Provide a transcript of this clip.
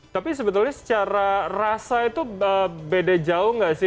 tapi sebetulnya secara rasa itu beda jauh nggak sih